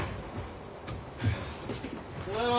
・・ただいま！